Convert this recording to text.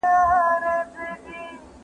پارلمان بشري حقونه نه محدودوي.